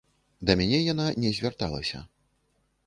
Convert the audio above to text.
Да мяне яна не звярталася.